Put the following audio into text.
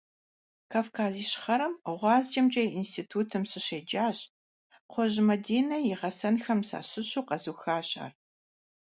Кавказ Ищхъэрэм ГъуазджэмкӀэ и институтым сыщеджащ, Кхъуэжь Мадинэ и гъэсэнхэм сащыщу къэзухащ ар.